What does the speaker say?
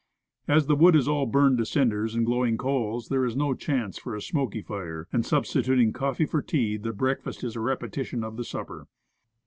As the wood is all burned to cinders and glowing coals, there is no chance for a smoky fire; and, substituting coffee for tea, the breakfast is a repetition of the supper.